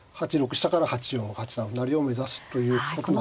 飛車から８四８三歩成を目指すということなんです。